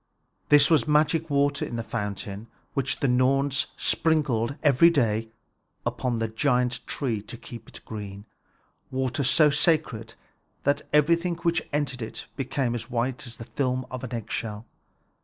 This was magic water in the fountain, which the Norns sprinkled every day upon the giant tree to keep it green, water so sacred that everything which entered it became white as the film of an eggshell.